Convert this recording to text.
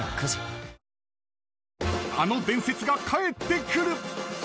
あの伝説が帰ってくる。